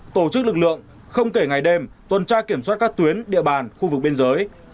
tổ chức lực lượng không kể ngày đêm tuần tra kiểm soát các tuyến địa bàn khu vực biên giới